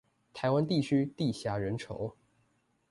台灣地區地狹人稠